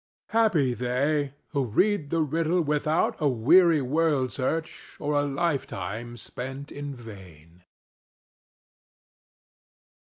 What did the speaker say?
Happy they who read the riddle without a weary world search or a lifetime spent in vain!